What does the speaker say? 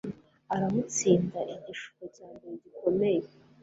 aramutsinda Igishuko cya mbere gikomeye